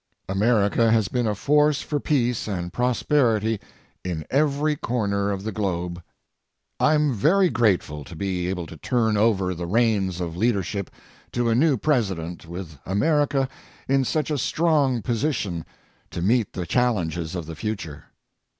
America has been a force for peace and prosperity in every corner of the globe. I'm very grateful to be able to turn over the reins of leadership to a new president with America in such a strong position to meet the challenges of the future.